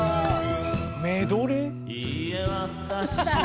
メドレー？